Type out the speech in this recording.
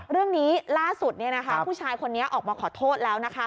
เรื่องนี้ล่าสุดผู้ชายคนนี้ออกมาขอโทษแล้วนะคะ